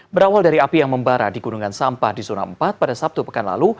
berawal dari api yang membara di gunungan sampah di zona empat pada sabtu pekan lalu